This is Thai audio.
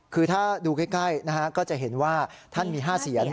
คือถ้าดูใกล้ก็จะเห็นว่าท่านมี๕เสียน